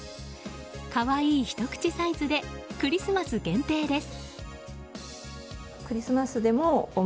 可愛いひと口サイズでクリスマス限定です。